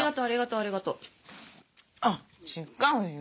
あっ違うよ。